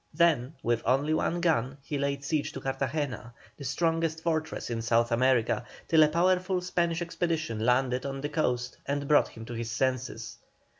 Then, with only one gun, he laid siege to Cartagena, the strongest fortress in South America, till a powerful Spanish expedition landed on the coast and brought him to his senses.